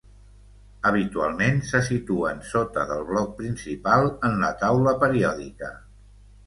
Habitualment, se situen sota del bloc principal en la taula periòdica.